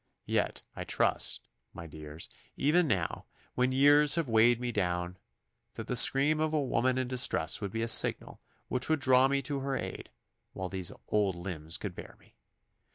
Yet I trust, my dears, even now, when years have weighed me down, that the scream of a woman in distress would be a signal which would draw me to her aid while these old limbs could bear me.